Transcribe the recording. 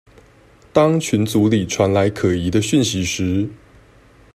當群組裡傳來可疑的訊息時